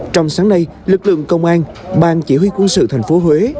trong sáng nay lực lượng công an bang chỉ huy quân sự thành phố huế